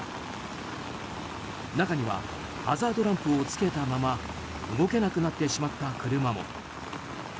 中にはハザードランプをつけたまま動けなくなってしまった車も。